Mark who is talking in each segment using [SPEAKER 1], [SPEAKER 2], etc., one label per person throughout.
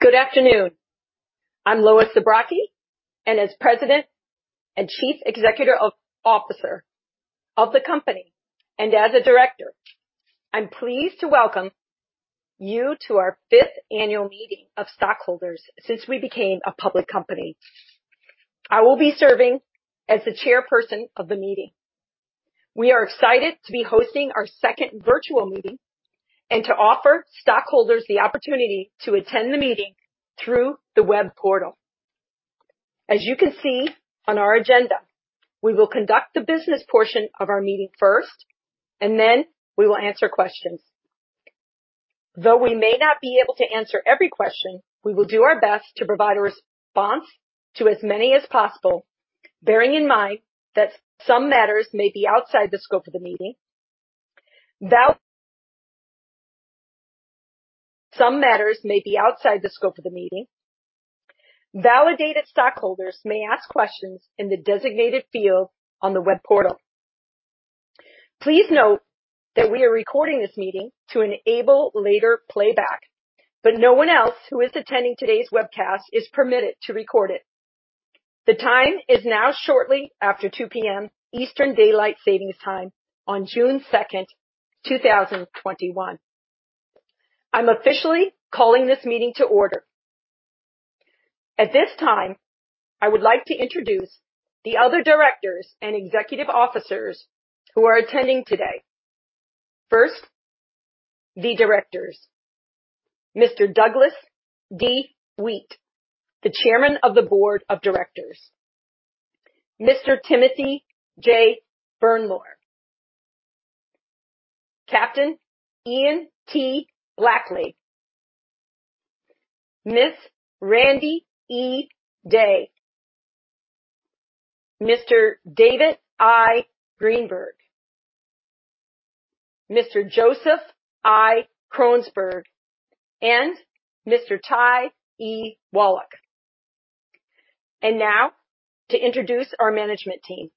[SPEAKER 1] Good afternoon. I'm Lois Zabrocky, and as President and Chief Executive Officer of the company and as a director, I'm pleased to welcome you to our fifth annual meeting of stockholders since we became a public company. I will be serving as the chairperson of the meeting. We are excited to be hosting our second virtual meeting and to offer stockholders the opportunity to attend the meeting through the web portal. As you can see on our agenda, we will conduct the business portion of our meeting first, and then we will answer questions. Though we may not be able to answer every question, we will do our best to provide a response to as many as possible, bearing in mind that some matters may be outside the scope of the meeting. Validated stockholders may ask questions in the designated field on the web portal. Please note that we are recording this meeting to enable later playback, but no one else who is attending today's webcast is permitted to record it. The time is now shortly after 2:00 P.M. Eastern Daylight Savings Time on June 2nd, 2021. I'm officially calling this meeting to order. At this time, I would like to introduce the other directors and executive officers who are attending today. First, the directors, Mr. Douglas D. Wheat, the Chairman of the Board of Directors. Mr. Timothy J. Bernlohr. Captain Ian T. Blackley. Ms. Randee E. Day. Mr. David I. Greenberg. Mr. Joseph I. Kronsberg and Mr. Ty E. Wallach. Now to introduce our management team.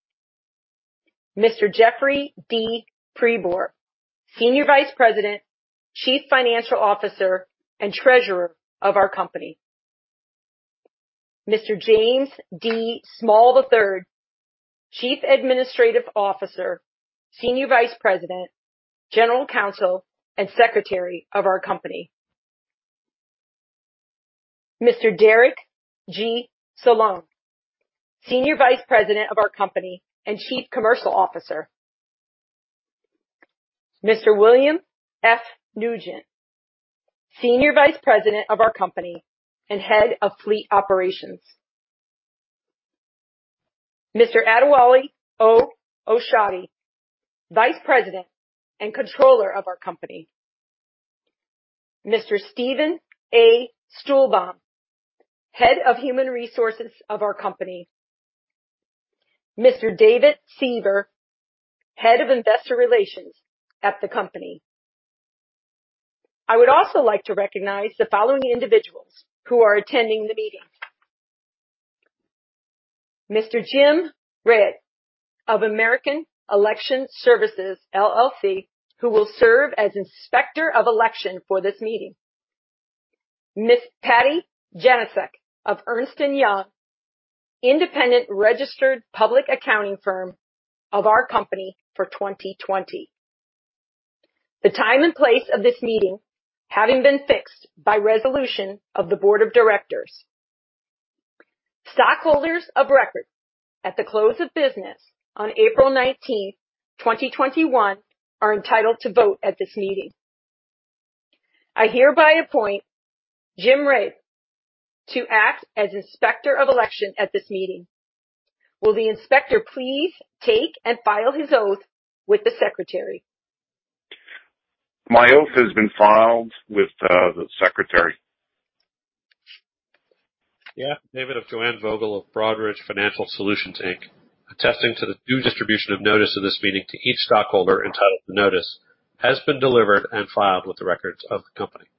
[SPEAKER 1] Mr. Jeffrey D. Pribor, Senior Vice President, Chief Financial Officer, and Treasurer of our company. Mr. James D. Small III, Chief Administrative Officer, Senior Vice President, General Counsel, and Secretary of our company. Mr. Derek G. Derek G. Solon, Senior Vice President of our company and Chief Commercial Officer. Mr. William F. Nugent, Senior Vice President of our company and Head of Fleet Operations. Mr. Adewale O. Oshodi, Vice President and Controller of our company. Mr. Steven A. Stulbaum, Head of Human Resources of our company. Mr. David Siever, Head of Investor Relations at the company. I would also like to recognize the following individuals who are attending the meeting. Mr. Jim Rabe of American Election Services, LLC, who will serve as Inspector of Election for this meeting. Ms. Patty Jenefek of Ernst & Young, independent registered public accounting firm of our company for 2020. The time and place of this meeting having been fixed by resolution of the board of directors. Stockholders of record at the close of business on April 19th, 2021, are entitled to vote at this meeting. I hereby appoint Jim Rabe to act as Inspector of Election at this meeting. Will the inspector please take and file his oath with the secretary?
[SPEAKER 2] My oath has been filed with the secretary.
[SPEAKER 3] The affidavit of Joanne Vogel of Broadridge Financial Solutions, Inc., attesting to the due distribution of notice of this meeting to each stockholder entitled to notice, has been delivered and filed with the records of the company.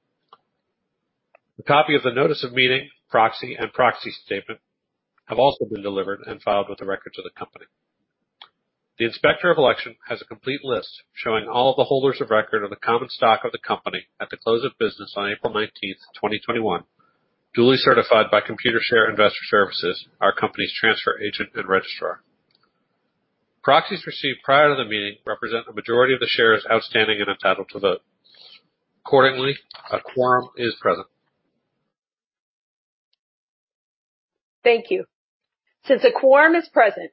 [SPEAKER 3] A copy of the notice of meeting, proxy, and proxy statement have also been delivered and filed with the records of the company. The Inspector of Election has a complete list showing all the holders of record of the common stock of the company at the close of business on April 19th, 2021, duly certified by Computershare Investor Services, our company's transfer agent and registrar. Proxies received prior to the meeting represent the majority of the shares outstanding and entitled to vote. Accordingly, a quorum is present. Thank you.
[SPEAKER 1] Since a quorum is present,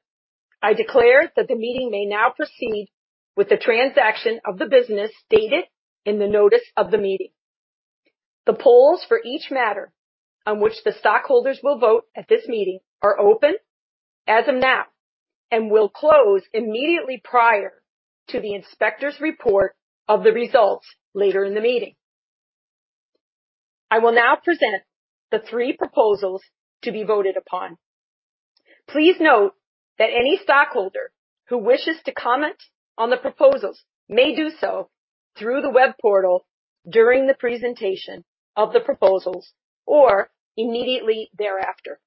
[SPEAKER 1] I declare that the meeting may now proceed with the transaction of the business stated in the notice of the meeting. The polls for each matter on which the stockholders will vote at this meeting are open as of now and will close immediately prior to the inspector's report of the results later in the meeting. I will now present the three proposals to be voted upon. Please note that any stockholder who wishes to comment on the proposals may do so through the web portal during the presentation of the proposals or immediately thereafter.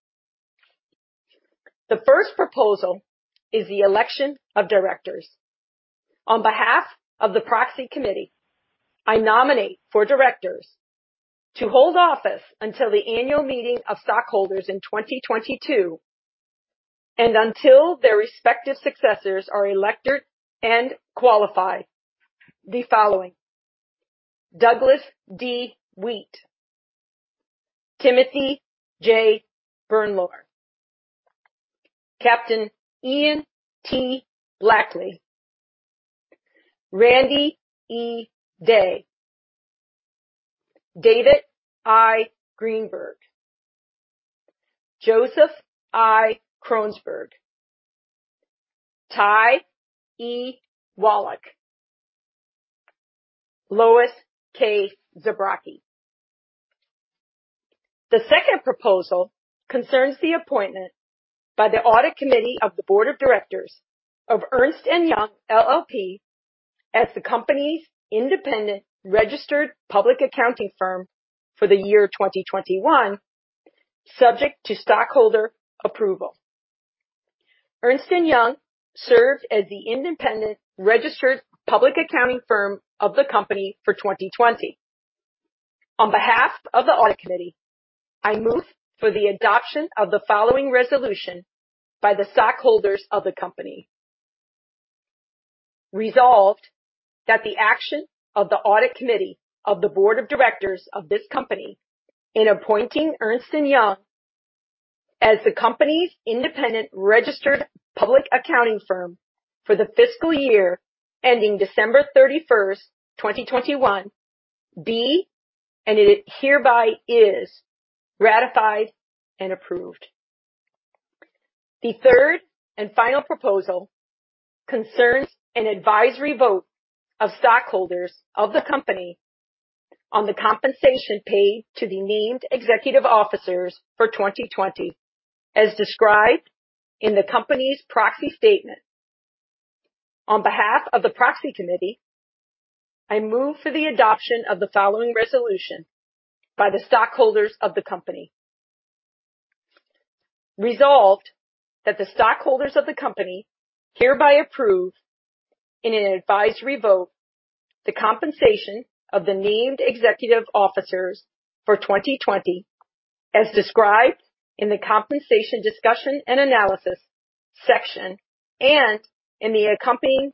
[SPEAKER 1] The first proposal is the election of directors. On behalf of the Proxy Committee, I nominate for directors to hold office until the annual meeting of stockholders in 2022 and until their respective successors are elected and qualified, the following. Douglas D. Wheat, Timothy J. Bernlohr, Captain Ian T. Blackley, Randee E. Day, David I. Greenberg, Joseph I. Kronsberg, Ty E. Wallach, Lois K. Zabrocky. The second proposal concerns the appointment by the Audit Committee of the Board of Directors of Ernst & Young LLP as the company's independent registered public accounting firm for the year 2021, subject to stockholder approval. Ernst & Young served as the independent registered public accounting firm of the company for 2020. On behalf of the Audit Committee, I move for the adoption of the following resolution by the stockholders of the company. Resolved that the action of the Audit Committee of the Board of Directors of this company in appointing Ernst & Young as the company's independent registered public accounting firm for the fiscal year ending December 31st, 2021, be and it hereby is ratified and approved. The third and final proposal concerns an advisory vote of stockholders of the company on the compensation paid to the named executive officers for 2020, as described in the company's proxy statement. On behalf of the Proxy Committee, I move for the adoption of the following resolution by the stockholders of the company. Resolved that the stockholders of the company hereby approve in an advisory vote the compensation of the named executive officers for 2020 as described in the Compensation Discussion and Analysis section and in the accompanying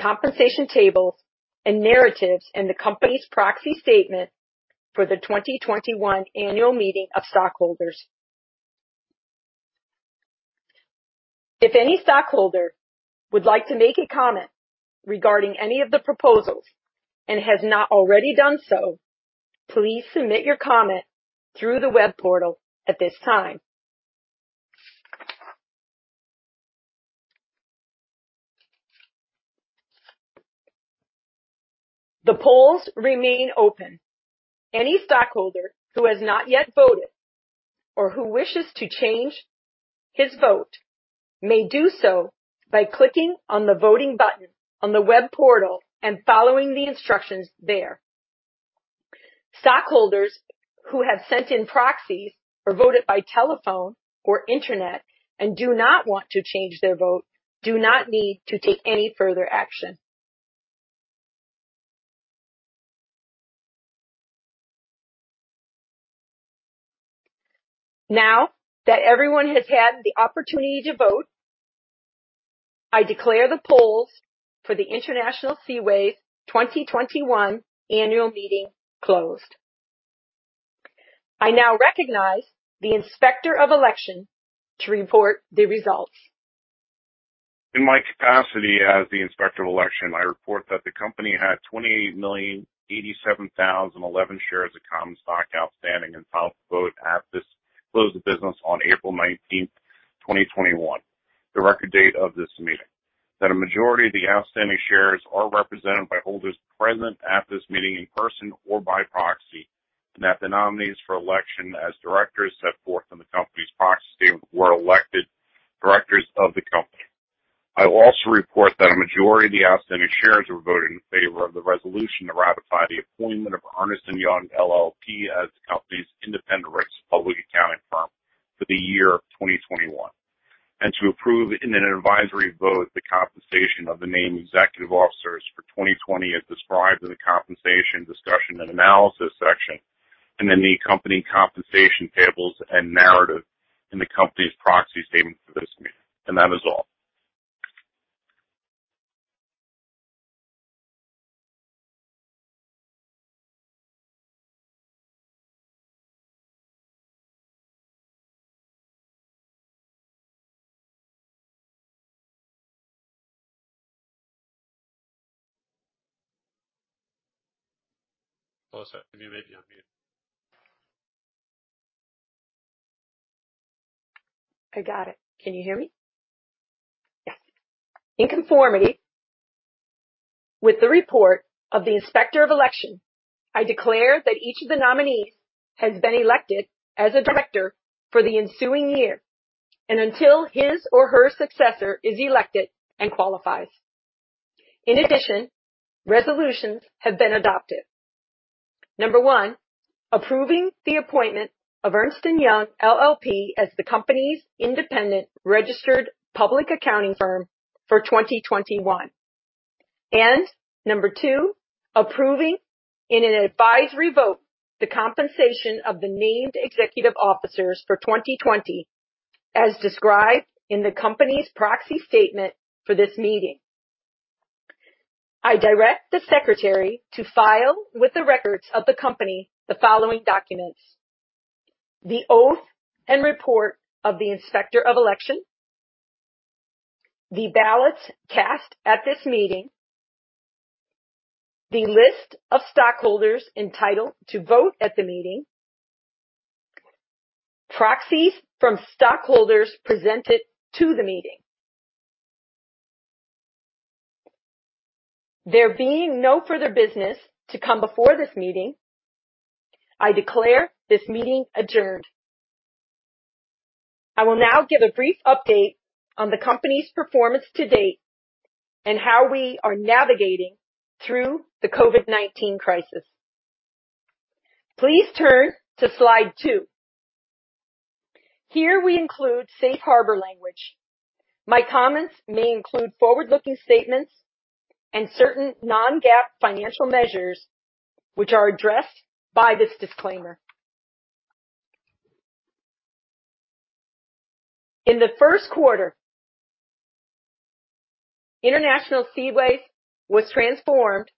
[SPEAKER 1] compensation tables and narratives in the company's proxy statement for the 2021 annual meeting of stockholders. If any stockholder would like to make a comment regarding any of the proposals and has not already done so, please submit your comment through the web portal at this time. The polls remain open. Any stockholder who has not yet voted or who wishes to change his vote may do so by clicking on the voting button on the web portal and following the instructions there. Stockholders who have sent in proxies or voted by telephone or internet and do not want to change their vote do not need to take any further action. Now that everyone has had the opportunity to vote, I declare the polls for the International Seaways 2021 annual meeting closed. I now recognize the Inspector of Election to report the results.
[SPEAKER 2] In my capacity as the Inspector of Election, I report that the company had 28,087,011 shares of common stock outstanding and qualified to vote at the close of business on April 19th, 2021, the record date of this meeting. That a majority of the outstanding shares are represented by holders present at this meeting in person or by proxy, and that the nominees for election as directors set forth in the company's proxy statement were elected directors of the company. I also report that a majority of the outstanding shares were voted in favor of the resolution to ratify the appointment of Ernst & Young LLP as the company's independent registered public accounting firm for the year of 2021, and to approve in an advisory vote the compensation of the named executive officers for 2020 as described in the Compensation Discussion and Analysis section and in the accompanying compensation tables and narrative in the company's proxy statement for this meeting. That is all. Close that.
[SPEAKER 1] I got it. Can you hear me? Yes. In conformity with the report of the Inspector of Election, I declare that each of the nominees has been elected as a director for the ensuing year and until his or her successor is elected and qualifies. In addition, resolutions have been adopted. Number one, approving the appointment of Ernst & Young LLP as the company's independent registered public accounting firm for 2021. Number two, approving in an advisory vote the compensation of the named executive officers for 2020, as described in the company's proxy statement for this meeting. I direct the Secretary to file with the records of the company the following documents, the oath and report of the Inspector of Election, the ballots cast at this meeting, the list of stockholders entitled to vote at the meeting, proxies from stockholders presented to the meeting. There being no further business to come before this meeting, I declare this meeting adjourned. I will now give a brief update on the company's performance to date and how we are navigating through the COVID-19 crisis. Please turn to slide two. Here we include safe harbor language. My comments may include forward-looking statements and certain non-GAAP financial measures, which are addressed by this disclaimer. In the first quarter, International Seaways was transformed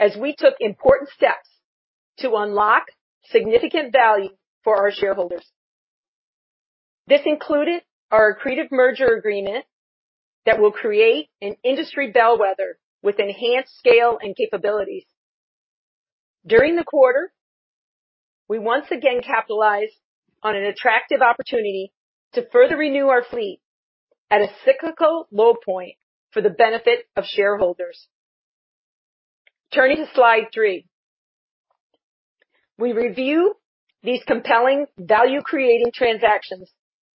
[SPEAKER 1] as we took important steps to unlock significant value for our shareholders. This included our accretive merger agreement that will create an industry bellwether with enhanced scale and capabilities. During the quarter, we once again capitalized on an attractive opportunity to further renew our fleet at a cyclical low point for the benefit of shareholders. Turning to slide three. We review these compelling value-creating transactions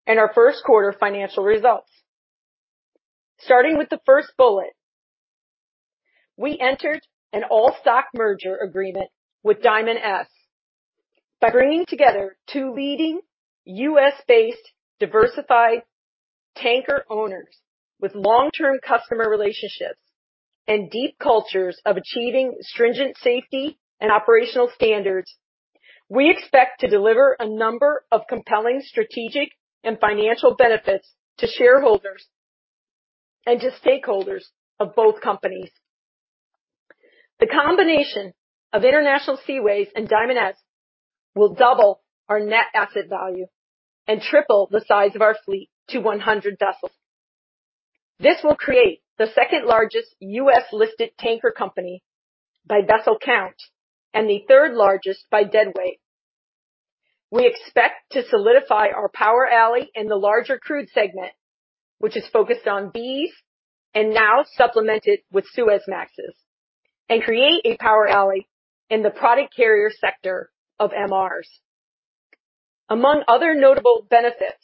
[SPEAKER 1] and our first quarter financial results. Starting with the first bullet. We entered an all-stock merger agreement with Diamond S. By bringing together two leading U.S.-based diversified tanker owners with long-term customer relationships and deep cultures of achieving stringent safety and operational standards, we expect to deliver a number of compelling strategic and financial benefits to shareholders and to stakeholders of both companies. The combination of International Seaways and Diamond S will double our net asset value and triple the size of our fleet to 100 vessels. This will create the second largest U.S.-listed tanker company by vessel count and the third largest by deadweight. We expect to solidify our power alley in the larger crude segment, which is focused on these and now supplemented with Suezmaxes, and create a power alley in the product carrier sector of MRs. Among other notable benefits,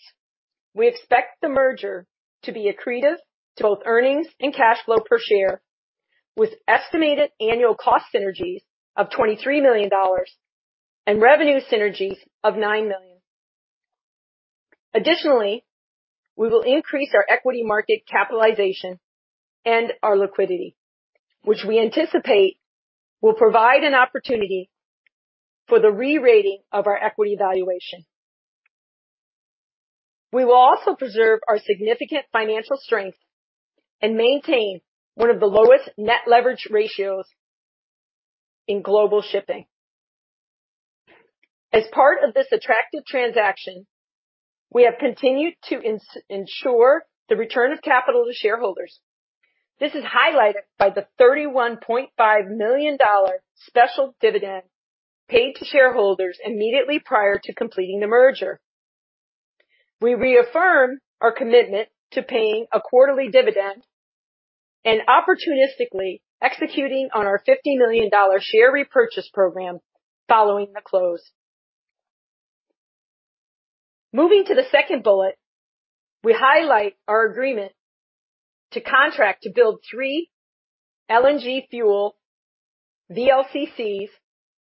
[SPEAKER 1] we expect the merger to be accretive to both earnings and cash flow per share with estimated annual cost synergies of $23 million and revenue synergies of $9 million. Additionally, we will increase our equity market capitalization and our liquidity, which we anticipate will provide an opportunity for the re-rating of our equity valuation. We will also preserve our significant financial strength and maintain one of the lowest net leverage ratios in global shipping. As part of this attractive transaction, we have continued to ensure the return of capital to shareholders. This is highlighted by the $31.5 million special dividend paid to shareholders immediately prior to completing the merger. We reaffirm our commitment to paying a quarterly dividend and opportunistically executing on our $50 million share repurchase program following the close. Moving to the second bullet, we highlight our agreement to contract to build three LNG fuel VLCCs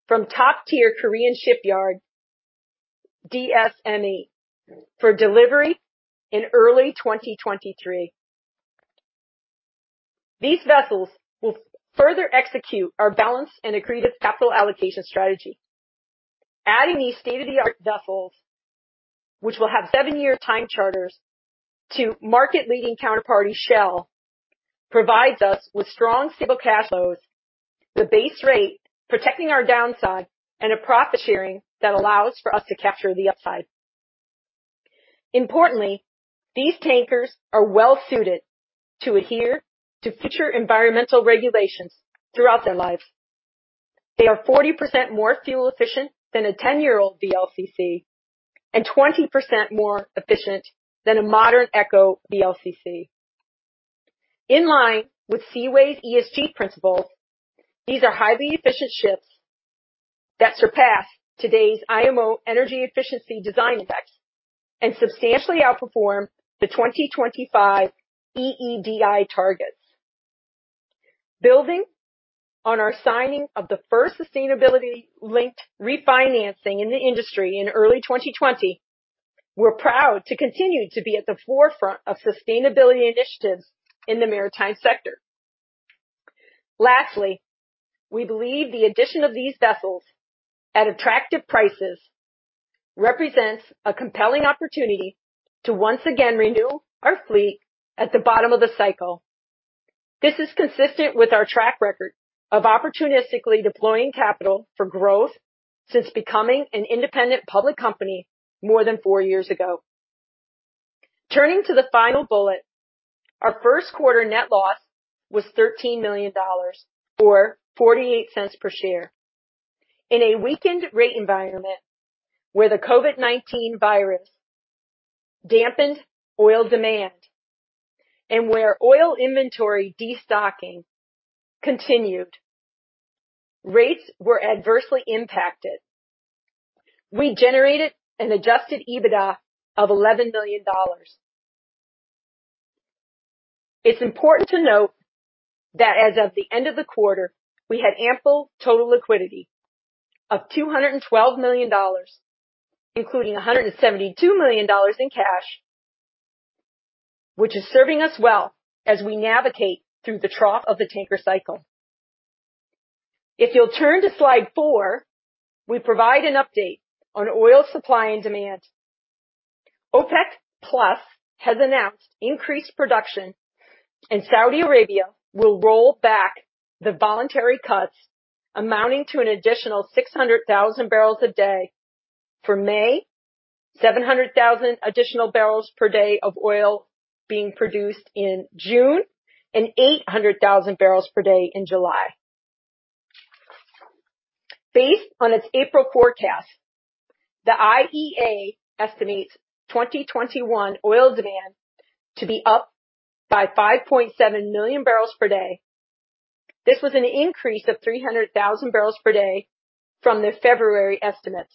[SPEAKER 1] from top-tier Korean shipyard DSME for delivery in early 2023. These vessels will further execute our balanced and accretive capital allocation strategy. Adding these state-of-the-art vessels, which will have seven-year time charters to market-leading counterparty Shell, provides us with strong stable cash flows, the base rate protecting our downside, and a profit sharing that allows for us to capture the upside. Importantly, these tankers are well-suited to adhere to future environmental regulations throughout their lives. They are 40% more fuel efficient than a 10-year-old VLCC and 20% more efficient than a modern Eco VLCC. In line with Seaways' ESG principles, these are highly efficient ships that surpass today's IMO Energy Efficiency Design Index and substantially outperformed the 2025 EEDI targets. Building on our signing of the first sustainability-linked refinancing in the industry in early 2020, we're proud to continue to be at the forefront of sustainability initiatives in the maritime sector. Lastly, we believe the addition of these vessels at attractive prices represents a compelling opportunity to once again renew our fleet at the bottom of the cycle. This is consistent with our track record of opportunistically deploying capital for growth since becoming an independent public company more than four years ago. Turning to the first bullet, our first quarter net loss was $13 million, or $0.48 per share. In a weakened rate environment where the COVID-19 virus dampened oil demand and where oil inventory destocking continued, rates were adversely impacted. We generated an adjusted EBITDA of $11 million. It's important to note that as of the end of the quarter, we had ample total liquidity of $212 million, including $172 million in cash, which is serving us well as we navigate through the trough of the tanker cycle. If you'll turn to slide four, we provide an update on oil supply and demand. OPEC+ has announced increased production and Saudi Arabia will roll back the voluntary cuts amounting to an additional 600,000 barrels a day for May, 700,000 additional barrels per day of oil being produced in June, and 800,000 barrels per day in July. Based on its April forecast, the IEA estimates 2021 oil demand to be up by 5.7 million barrels per day. This was an increase of 300,000 barrels per day from their February estimates.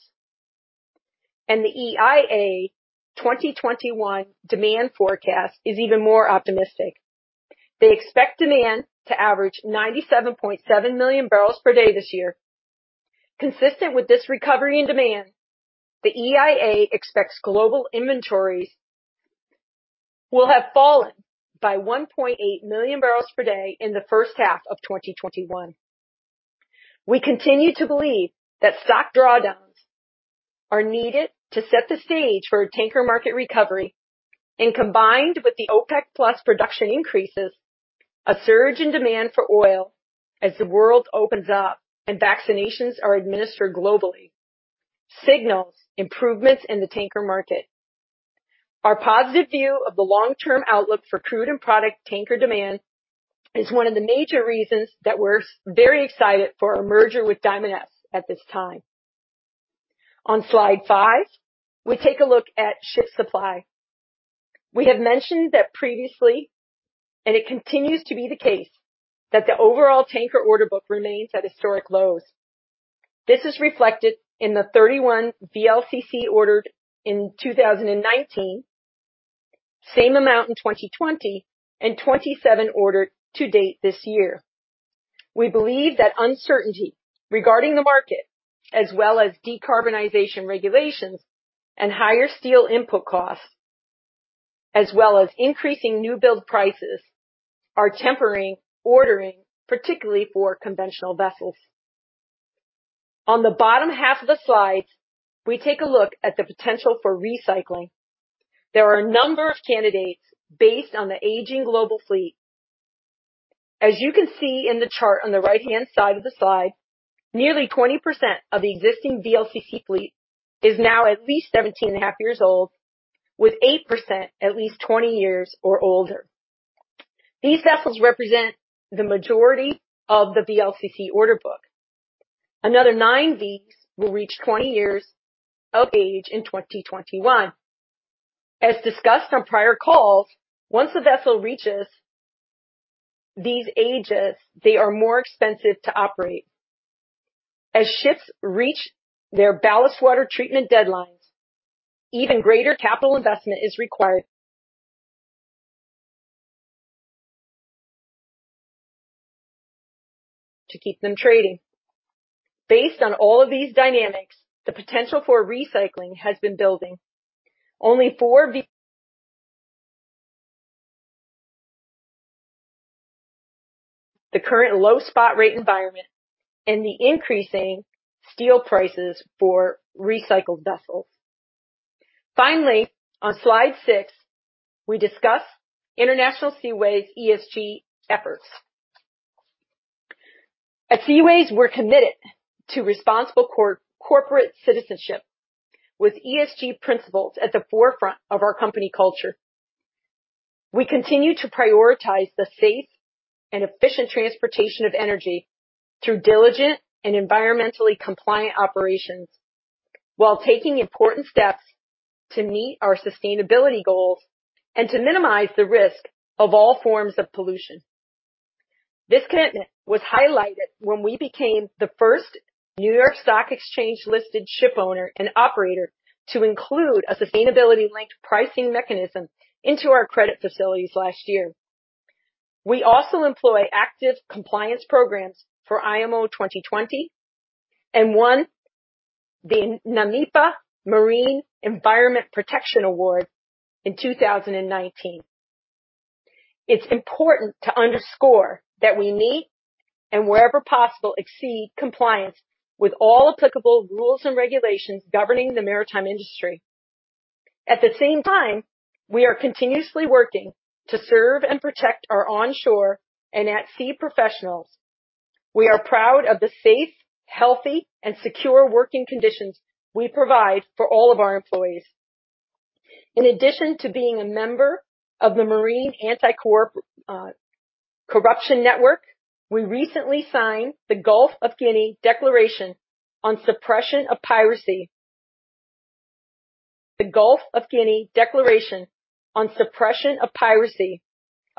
[SPEAKER 1] The EIA 2021 demand forecast is even more optimistic. They expect demand to average 97.7 million barrels per day this year. Consistent with this recovery in demand, the EIA expects global inventories will have fallen by 1.8 million barrels per day in the first half of 2021. We continue to believe that stock drawdowns are needed to set the stage for a tanker market recovery, and combined with the OPEC+ production increases, a surge in demand for oil as the world opens up and vaccinations are administered globally signals improvements in the tanker market. Our positive view of the long-term outlook for crude and product tanker demand is one of the major reasons that we're very excited for our merger with Diamond S at this time. On slide five, we take a look at ship supply. We have mentioned that previously, and it continues to be the case, that the overall tanker order book remains at historic lows. This is reflected in the 31 VLCCs ordered in 2019, same amount in 2020, 27 ordered to date this year. We believe that uncertainty regarding the market as well as decarbonization regulations and higher steel input costs, as well as increasing new build prices, are tempering ordering, particularly for conventional vessels. On the bottom half of the slide, we take a look at the potential for recycling. There are a number of candidates based on the aging global fleet. As you can see in the chart on the right-hand side of the slide, nearly 20% of existing VLCC fleet is now at least 17.5 years old, with 8% at least 20 years or older. These vessels represent the majority of the VLCC order book. Another nine VLCCs will reach 20 years of age in 2021. As discussed on prior calls, once a vessel reaches these ages, they are more expensive to operate. As ships reach their ballast water treatment deadlines, even greater capital investment is required to keep them trading. Based on all of these dynamics, the potential for recycling has been building. Only four V The current low spot rate environment and the increasing steel prices for recycled vessels. Finally, on slide six, we discuss International Seaways' ESG efforts. At Seaways, we're committed to responsible corporate citizenship with ESG principles at the forefront of our company culture. We continue to prioritize the safe and efficient transportation of energy through diligent and environmentally compliant operations while taking important steps to meet our sustainability goals and to minimize the risk of all forms of pollution. This commitment was highlighted when we became the first New York Stock Exchange-listed shipowner and operator to include a sustainability-linked pricing mechanism into our credit facilities last year. We also employ active compliance programs for IMO 2020 and won the NAMEPA Marine Environment Protection Award in 2019. It's important to underscore that we meet, and wherever possible, exceed compliance with all applicable rules and regulations governing the maritime industry. At the same time, we are continuously working to serve and protect our onshore and at-sea professionals. We are proud of the safe, healthy, and secure working conditions we provide for all of our employees. In addition to being a member of the Maritime Anti-Corruption Network, we recently signed the Gulf of Guinea Declaration on Suppression of Piracy, a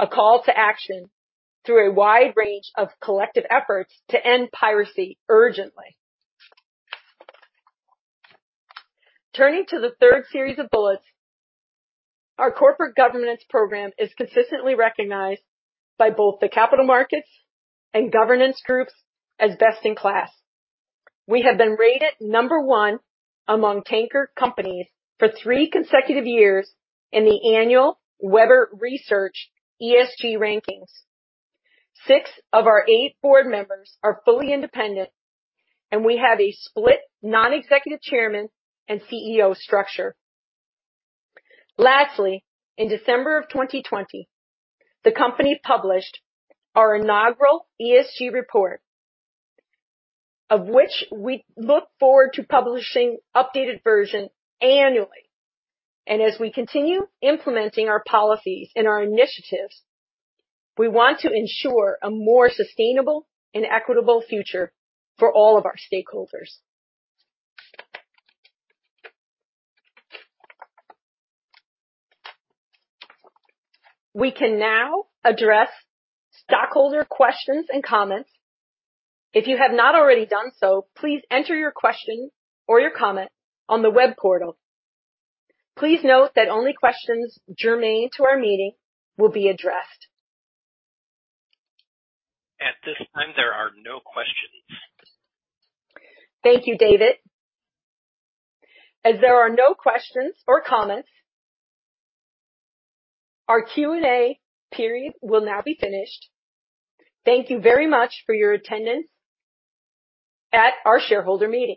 [SPEAKER 1] call to action through a wide range of collective efforts to end piracy urgently. Turning to the third series of bullets, our corporate governance program is consistently recognized by both the capital markets and governance groups as best in class. We have been rated number one among tanker companies for three consecutive years in the annual Webber Research ESG rankings. Six of our eight board members are fully independent, and we have a split non-executive chairman and CEO structure. Lastly, in December of 2020, the company published our inaugural ESG report, of which we look forward to publishing updated version annually. As we continue implementing our policies and our initiatives, we want to ensure a more sustainable and equitable future for all of our stakeholders. We can now address stockholder questions and comments. If you have not already done so, please enter your question or your comment on the web portal. Please note that only questions germane to our meeting will be addressed.
[SPEAKER 4] At this time, there are no questions.
[SPEAKER 1] Thank you, David. As there are no questions or comments, our Q&A period will now be finished. Thank you very much for your attendance at our shareholder meeting